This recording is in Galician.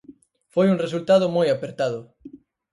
Foi un resultado moi apertado.